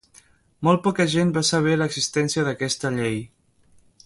Molt poca gent va saber de l'existència d'aquesta llei.